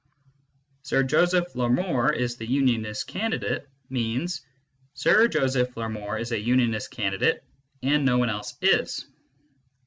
" Sir Joseph Larmor is the Unionist candidate " means " Sir Joseph Larmor is a Unionist candidate, and no one else is."